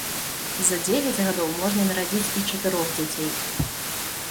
За дзевяць гадоў можна нарадзіць і чатырох дзяцей.